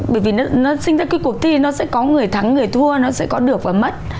bởi vì nó sinh ra cái cuộc thi nó sẽ có người thắng người thua nó sẽ có được và mất